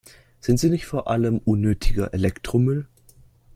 Sind sie nicht vor allem unnötiger Elektromüll?